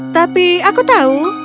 tapi aku tahu